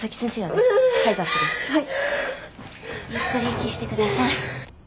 ゆっくり息してください。